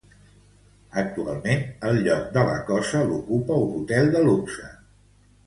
Actualment el lloc de la cosa l'ocupa un hotel de luxe